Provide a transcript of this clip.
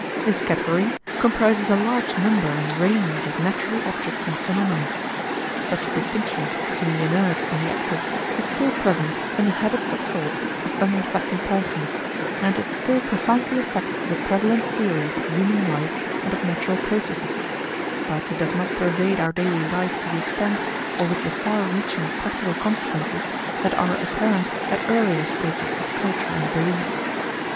This category comprises a large number and range of natural objects and phenomena. Such a distinction between the inert and the active is still present in the habits of thought of unreflecting persons, and it still profoundly affects the prevalent theory of human life and of natural processes; but it does not pervade our daily life to the extent or with the far reaching practical consequences that are apparent at earlier stages of culture and belief.